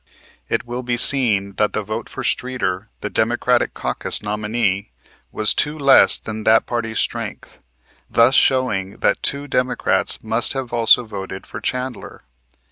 It will be seen that the vote for Streeter, the Democratic caucus nominee, was two less than that party's strength; thus showing that two Democrats must have also voted for Chandler.